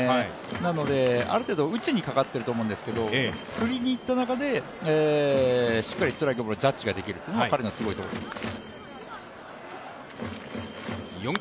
なので、ある程度、打ちにかかっていると思うんですけど、振りにいった中でしっかりとストライク、ボールのジャッジができるというのは彼のすごいところです。